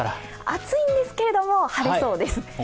暑いんですけれども晴れそうです。